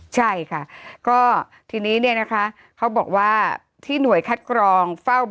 ใช่ค่ะก็ทีนี้เนี่ยนะคะเขาบอกว่าที่หน่วยคัดกรองเฝ้า